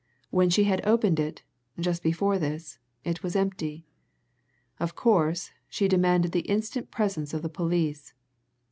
When she had opened it just before this it was empty. Of course, she demanded the instant presence of the police.